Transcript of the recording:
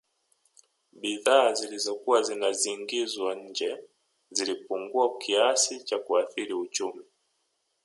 Bidhaa zilizokuwa zinazingizwa nje zilipugua kiasi cha kuathiri uchumi